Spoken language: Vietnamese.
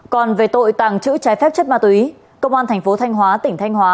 còn về tội tàng trữ trái phép chất ma túy công an thành phố thanh hóa tỉnh thanh hóa